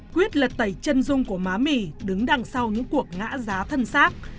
quyết lật tẩy chân rung của má mì đứng đằng sau những cuộc ngã giá thân sát